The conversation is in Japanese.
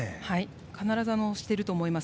必ずしていると思います。